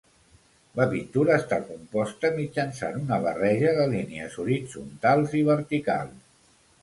La pintura està composta mitjançant una barreja de línies horitzontals i verticals.